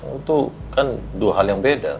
itu kan dua hal yang beda